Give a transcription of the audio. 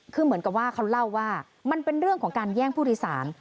คือเหมือนกับว่าเขาเล่าว่ามันเป็นเรื่องของการแย่งผู้โดยสาร